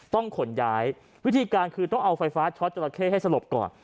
ขนย้ายวิธีการคือต้องเอาไฟฟ้าช็อตจราเข้ให้สลบก่อน